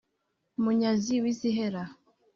munyazi w’izihera